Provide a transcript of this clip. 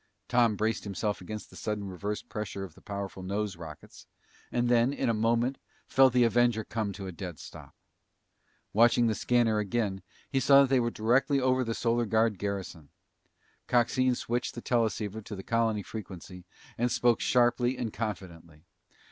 Tom braced himself against the sudden reverse pressure of the powerful nose rockets, and then, in a moment, felt the Avenger come to a dead stop. Watching the scanner again, he saw that they were directly over the Solar Guard garrison. Coxine switched the teleceiver to the colony frequency and spoke sharply and confidently.